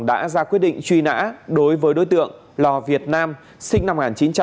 đã ra quyết định truy nã đối với đối tượng lò việt nam sinh năm một nghìn chín trăm tám mươi